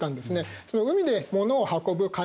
その海で物を運ぶ海運業者